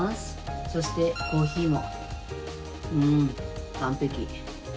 そしてコーヒーも。